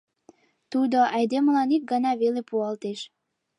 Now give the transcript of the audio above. Тудо айдемылан ик гана веле пуалтеш.